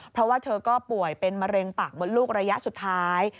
เพราะว่าเธอก็ป่วยเป็นมะเร็งปากมดลูกระยะสุดท้าย